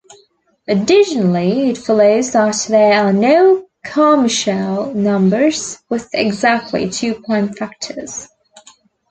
Additionally, it follows that there are no Carmichael numbers with exactly two prime factors.